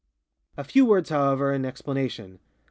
A few words, however, in explanation.